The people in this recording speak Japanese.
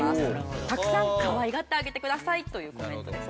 たくさんかわいがってあげてくださいというコメントでした。